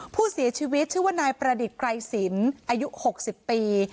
ผู้เสียชีวิตชื่อว่านายประดิษฐ์ไกรสินอายุ๖๐ปี